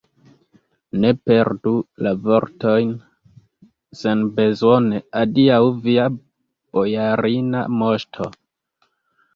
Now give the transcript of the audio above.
Ne perdu la vortojn senbezone, adiaŭ, via bojarina moŝto!